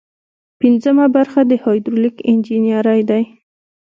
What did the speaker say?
پنځمه برخه د هایدرولیک انجنیری ده.